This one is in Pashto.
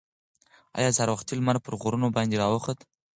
ایا سهار وختي لمر پر غرونو باندې راوخوت؟